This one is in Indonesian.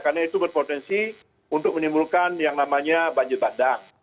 karena itu berpotensi untuk menimbulkan yang namanya banjir padang